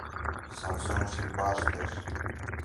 sanções impostas